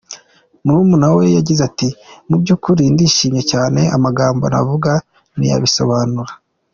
" Murumuna we yagize ati "Mu by’ukuri ndishimye cyane, amagambo navuga ntiyabisobanura.